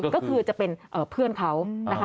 ก็คือจะเป็นเพื่อนเขานะคะ